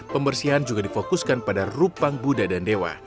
pembersihan juga difokuskan pada rupang buddha dan dewa